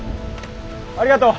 ありがとう。